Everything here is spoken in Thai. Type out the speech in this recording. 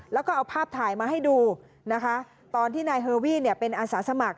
แล้วก็เอาภาพถ่ายมาให้ดูนะคะตอนที่นายเฮอรี่เนี่ยเป็นอาสาสมัคร